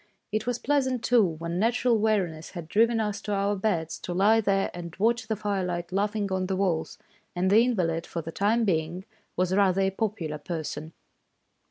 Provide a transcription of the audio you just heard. It was pleasant, too, when natural weariness had driven us to 142 THE DAY BEFORE YESTERDAY our beds, to lie there and watch the firelight laughing on the walls ; and the invalid, for the time being, was rather a popular person.